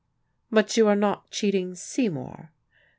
"But you are not cheating Seymour?"